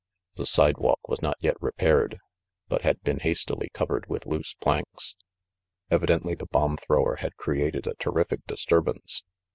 The sidewalk was not yet repaired, but had been hastily covered with loose planks. Evidently the bomb 52 THE MASTER OF MYSTERIES thrower had created a terrific disturbance.